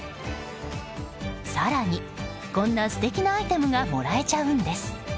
更に、こんな素敵なアイテムがもらえちゃうんです。